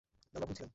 আমরা ভুল ছিলাম।